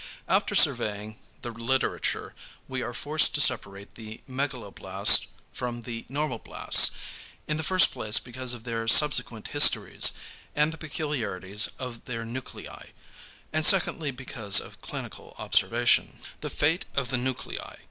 After surveying the literature, we are forced to separate the megaloblasts from the normoblasts, in the first place because of their subsequent histories, and the peculiarities of their nuclei, and secondly because of clinical observation. [alpha]. =The fate of the nuclei.